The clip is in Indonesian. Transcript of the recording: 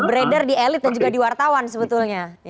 beredar di elit dan juga di wartawan sebetulnya